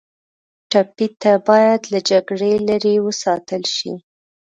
ټپي ته باید له جګړې لرې وساتل شي.